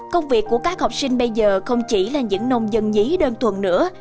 công việc của các học sinh bây giờ không chỉ là những nông dân nhí đơn thuần nữa